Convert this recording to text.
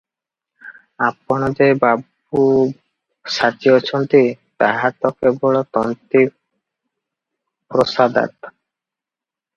ଆପଣ ଯେ ବାବୁ ସାଜିଅଛନ୍ତି, ତାହା ତ କେବଳ ତନ୍ତୀ ପ୍ରସାଦାତ୍ ।